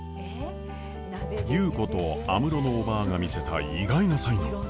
優子と安室のおばぁが見せた意外な才能！